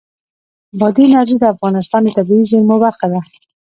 بادي انرژي د افغانستان د طبیعي زیرمو برخه ده.